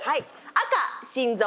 赤「心臓」